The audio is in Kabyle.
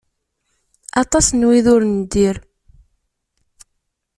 Aṭas n wid ur neddir.